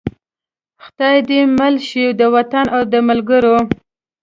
خدای دې مل شي د وطن او د ملګرو.